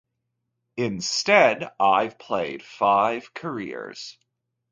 Instead, I've played five careers.